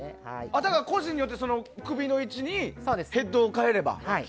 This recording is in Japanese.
個人によって首の位置にヘッドを変えれば。